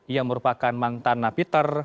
yang merupakan mantan napiter